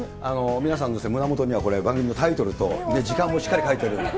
皆さん、胸元には、番組のタイトルと時間もしっかり書いてある。